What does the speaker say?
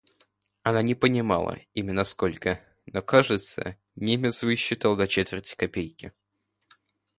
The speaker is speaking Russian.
Она не помнила именно сколько, но, кажется, Немец высчитал до четверти копейки.